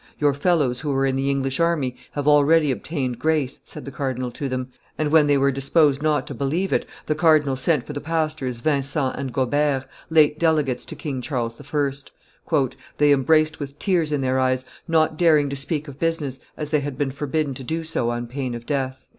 "Your fellows who were in the English army have already obtained grace," said the cardinal to them; and when they were disposed not to believe it, the cardinal sent for the pastors Vincent and Gobert, late delegates to King Charles I. "they embraced with tears in their eyes, not daring to speak of business, as they had been forbidden to do so on pain of death."